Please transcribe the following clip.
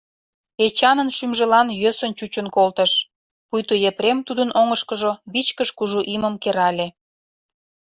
Эчанын шӱмжылан йӧсын чучын колтыш, пуйто Епрем тудын оҥышкыжо вичкыж кужу имым керале.